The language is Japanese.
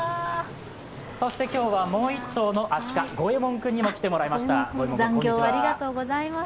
そして今日はもう１頭のアシカ、ゴエモン君にも来てもらいました。